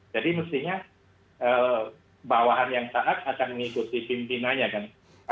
jadi mestinya bawahan yang saat akan mengikuti pimpinannya kan